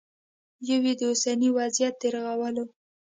یوه یې د اوسني وضعیت د رغولو